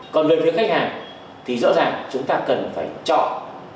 còn về phía khách hàng thì rõ ràng chúng ta cần phải chọn